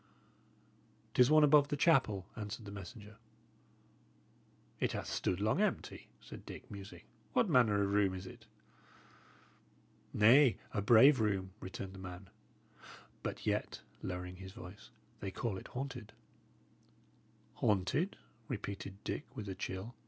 "'Tis one above the chapel," answered the messenger. "It hath stood long empty," said Dick, musing. "What manner of room is it?" "Nay, a brave room," returned the man. "But yet" lowering his voice "they call it haunted." "Haunted?" repeated Dick, with a chill.